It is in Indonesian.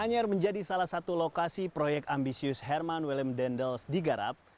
anyer menjadi salah satu lokasi proyek ambisius herman william dendels digarap